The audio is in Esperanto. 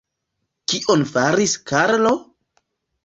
Kion faris Karlo?